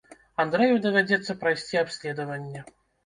Андрэю давядзецца прайсці абследаванне.